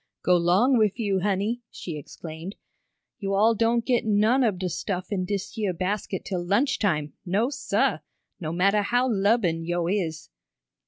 "Go 'long wif you, honey!" she exclaimed. "Yo' all doan't git none ob de stuff in dish yeah basket 'till lunch time no, suh! No mattah how lubbin' yo' is!"